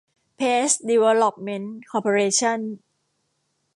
เพซ ดีเวลลอปเมนท์ คอร์ปอเรชั่น